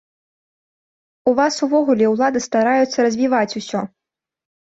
У вас увогуле ўлады стараюцца развіваць ўсё.